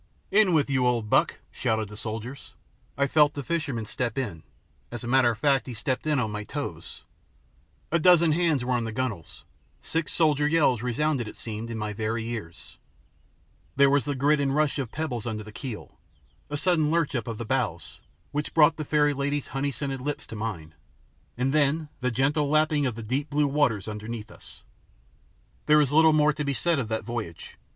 "In with you, old buck!" shouted the soldiers; I felt the fisherman step in, as a matter of fact he stepped in on to my toes; a dozen hands were on the gunwales: six soldier yells resounded, it seemed, in my very ears: there was the grit and rush of pebbles under the keel: a sudden lurch up of the bows, which brought the fairy lady's honey scented lips to mine, and then the gentle lapping of deep blue waters underneath us! There is little more to be said of that voyage.